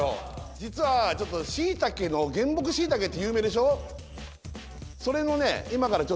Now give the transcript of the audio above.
実はちょっとしいたけの原木しいたけって有名でしょ。